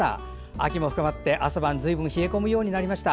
秋も深まって朝晩ずいぶん冷え込むようになりました。